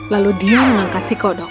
lalu dia mengangkat si kodok